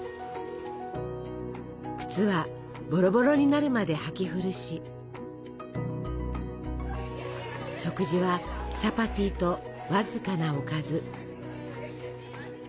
靴はボロボロになるまで履き古し食事はチャパティと僅かなおかず。